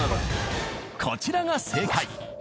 ［こちらが正解］